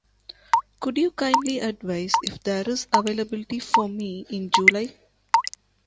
Could you kindly advise if there is availability for me in July?